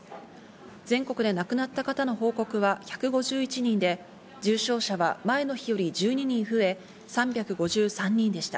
全国で亡くなった方の報告は１５１人で、重症者は前の日より１２人増え、３５３人でした。